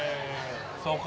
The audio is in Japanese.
そうか。